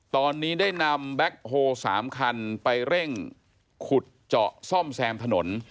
ตอนนี้ได้นำแบ็คโฮ๓คันไปเร่งขุดเจาะซ่อมแซมถนน